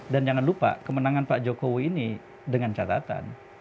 dan jangan lupa kemenangan pak jokowi ini dengan catatan